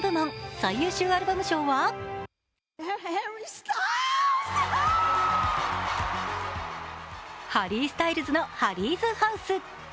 最優秀アルバム賞はハリー・スタイルズの「ハリーズ・ハウス」。